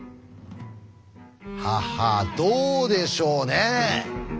ははどうでしょうね。